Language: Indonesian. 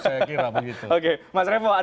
saya kira begitu oke mas revo